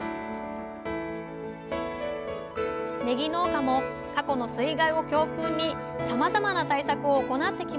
ねぎ農家も過去の水害を教訓にさまざまな対策を行ってきました。